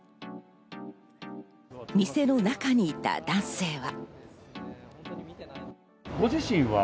店の中にいた男性は。